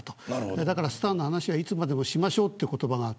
だから、スターの話はいつまでもしましょうという言葉がある。